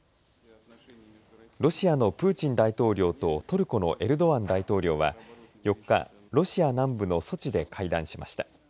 ロシアのプーチン大統領とトルコのエルドアン大統領は４日、ロシア南部のソチで会談しました。